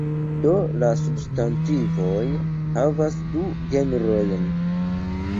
Do la substantivoj havas du genrojn.